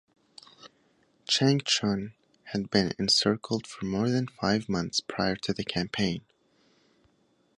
Changchun had been encircled for more than five months prior to the campaign.